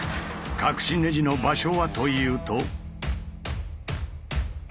隠しネジの場所はというと。